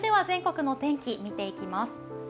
全国のお天気、見ていきます。